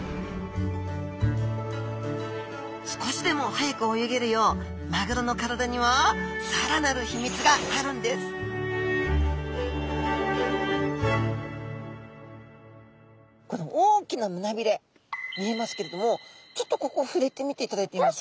少しでも速く泳げるようマグロの体には更なる秘密があるんです大きな胸びれ見えますけれどもちょっとここ触れてみていただいてもいいですか。